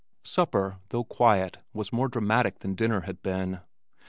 Supper though quiet was more dramatic than dinner had been.